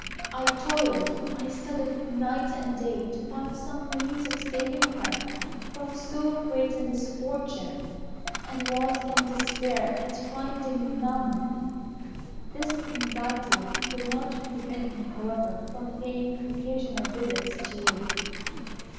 I toiled, I studied night and day to find some means of saving her from so great a misfortune, and was in despair at finding none. "This anxiety did not prevent me, however, from paying occasional visits to you.